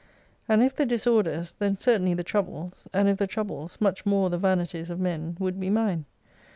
And if the disorders, then certainly the troubles, and if the troubles, much more the vanities of men would be mine.